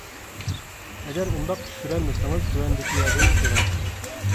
ئەگەر ئۇنداق چۈشۈرەلمىسىڭىز، تۆۋەندىكى يەردىن چۈشۈرۈڭ.